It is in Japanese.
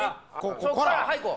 そっからはいいこう！